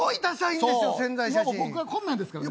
僕はこんなんですからね。